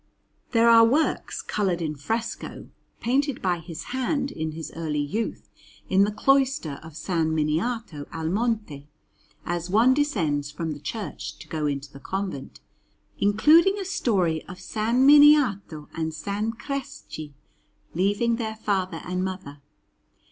There are works coloured in fresco, painted by his hand in his early youth, in the cloister of S. Miniato al Monte as one descends from the church to go into the convent, including a story of S. Miniato and S. Cresci leaving their father and mother.